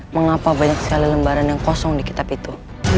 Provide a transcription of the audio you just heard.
mengapa banyak sekali lembaran yang kosong di kitab itu